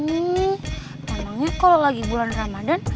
emangnya kalau lagi bulan ramadan